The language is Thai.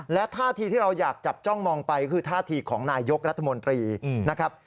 และท่าทีที่เราอยากจับจ้องมองไปคือท่าทีของนายยกรัฐมนตรีนะครับ